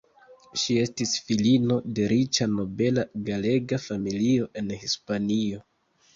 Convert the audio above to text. Ŝi estis filino de riĉa nobela galega familio en Hispanio.